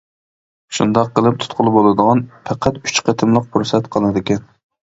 شۇنداق قىلىپ تۇتقىلى بولىدىغاندىن پەقەت ئۈچ قېتىملىق پۇرسەت قالىدىكەن.